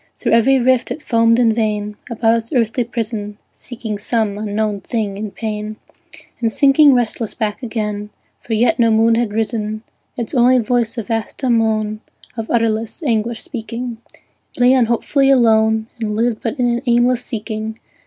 Through every rift it foamed in vain, About its earthly prison, Seeking some unknown thing in pain, And sinking restless back again, For yet no moon had risen: Its only voice a vast dumb moan, Of utterless anguish speaking, It lay unhopefully alone, And lived but in an aimless seeking.